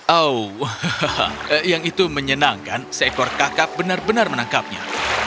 oh yang itu menyenangkan seekor kakap benar benar menangkapnya